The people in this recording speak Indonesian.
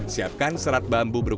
siapkan serat bambu berbentuk